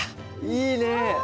いいね！わ！